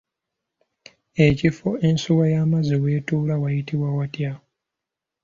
Ekifo ensuwa y’amazzi w’etuula wayitibwa watya?